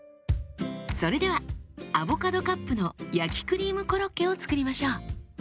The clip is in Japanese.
それではアボカドカップの焼きクリームコロッケを作りましょう。